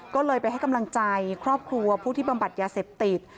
ก็เลยไปให้กำลังใจครอบครัวผู้ที่บำบัดยาเสพติด